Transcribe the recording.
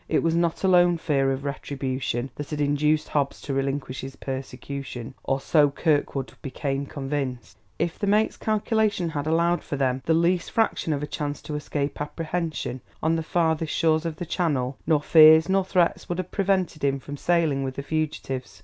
It was not alone fear of retribution that had induced Hobbs to relinquish his persecution or so Kirkwood became convinced; if the mate's calculation had allowed for them the least fraction of a chance to escape apprehension on the farther shores of the Channel, nor fears nor threats would have prevented him from sailing with the fugitives....